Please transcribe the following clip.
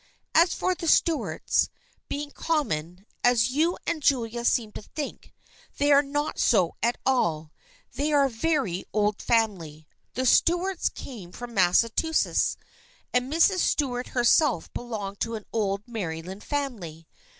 As for the Stuarts being com mon, as you and Julia seem to think, they are not so at all. They are a very old family. The Stuarts came from Massachusetts, and Mrs. Stuart herself belonged to an old Maryland family.